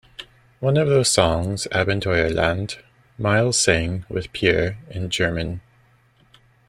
One of those songs, "Abenteuerland", Miles sang with Pur in German.